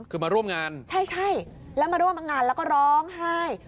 คือมาร่วมงานใช่ใช่แล้วมาร่วมงานแล้วก็ร้องไห้